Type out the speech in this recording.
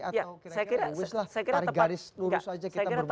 atau kira kira terus lah tarik garis lurus aja kita berusaha